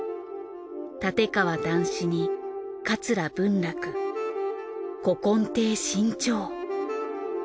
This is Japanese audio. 立川談志に桂文楽古今亭志ん朝。